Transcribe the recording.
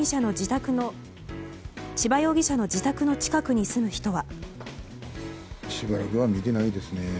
千葉容疑者の自宅の近くに住む人は。